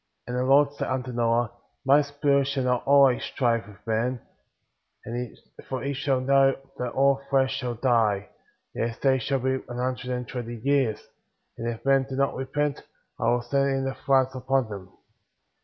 9 And the Lord said unto Noah : My Spirit^ shall not always strive with man,* for he shall know tliat all flesh shall die ; yet his days shall be an hun dred and twenty years; and if men do not repent," I will send in the floods^ upon them.